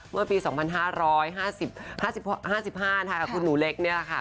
เมื่อปี๒๕๕๕คุณหมูเล็กเนี่ยค่ะ